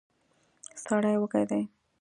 سړی وږی دی.